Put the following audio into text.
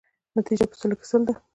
نتیجه په سلو کې سل ده.